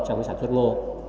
trong cái sản xuất ngô